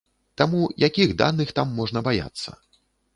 Таму, якіх даных там можна баяцца?